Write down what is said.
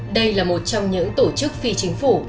đây là một trong những tổ chức phi chính phủ